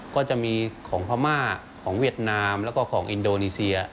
ก็จะมีของพม่าของเวียดนามแล้วก็ของอินโดนีเซีย